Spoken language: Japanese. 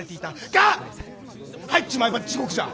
が入っちまえば地獄じゃ！